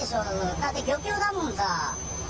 だって漁協だもんさ。